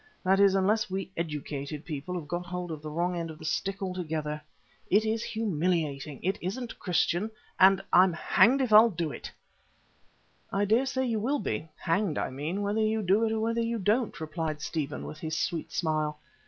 That is, unless we educated people have got hold of the wrong end of the stick altogether. It is humiliating; it isn't Christian, and I'm hanged if I'll do it!" "I dare say you will be hanged I mean whether you do it or whether you don't," replied Stephen with his sweet smile.